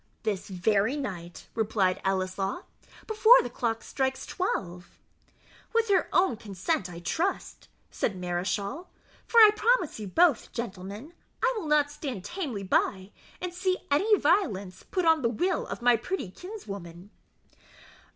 "This very night," replied Ellieslaw, "before the clock strikes twelve." "With her own consent, I trust," said Mareschal; "for I promise you both, gentlemen, I will not stand tamely by, and see any violence put on the will of my pretty kinswoman."